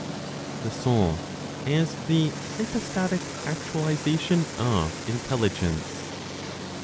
THE SOUL AS THE HYPOSTATIC ACTUALIZATION OF INTELLIGENCE.